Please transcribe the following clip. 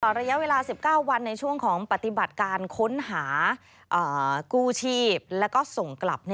ระยะเวลา๑๙วันในช่วงของปฏิบัติการค้นหากู้ชีพแล้วก็ส่งกลับ